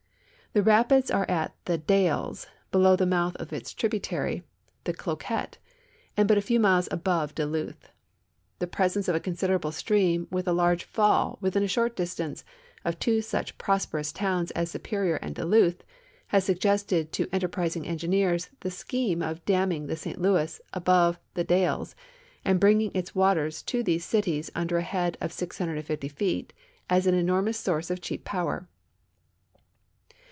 The rapids are at the Dalles, below the mouth of its tributary, the Cloquet, and but a few miles above Duluth. The presence of a considerable stream with a large fall within a short distance of two such prosperous towns as Superior and Duluth, has suggested to enterprisng engineers the scheme of damming the St Louis above the Dalles and bringing its w\aters to these cities under ahead of 650 feet, as an enormous source of cheap powder.